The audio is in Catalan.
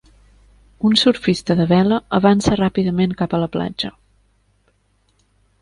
Un surfista de vela avança ràpidament cap a la platja.